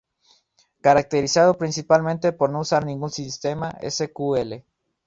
Caracterizado principalmente por no usar ningún sistema sql.